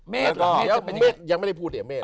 เมฆอะไร